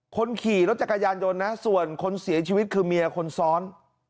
คนขี่รถจักรยานยนต์นะส่วนคนเสียชีวิตคือเมียคนซ้อน